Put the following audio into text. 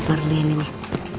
ntar dia mulejak